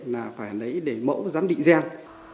là phải lấy để mẫu giám định gen